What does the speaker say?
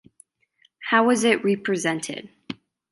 How was it represented?